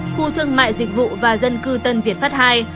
khu thương mại dịch vụ và dân cư tân việt pháp ii